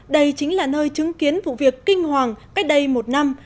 đây chính là nơi chứng kiến vụ việc kinh hoàng cách đây một năm